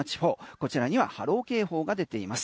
こちらには波浪警報が出ています。